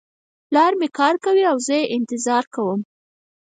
پلار مې کار کوي او زه یې انتظار کوم